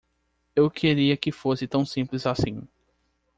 Eu queria que fosse tão simples assim.